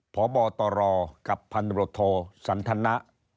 พบตรกับพันธบทสันธนะ